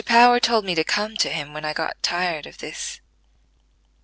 Power told me to come to him when I got tired of this.